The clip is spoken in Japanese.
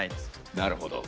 なるほど。